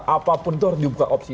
apapun itu harus dibuka opsi